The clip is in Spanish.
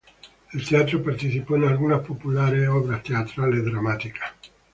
En teatro participó en alguna populares obras teatrales dramáticas.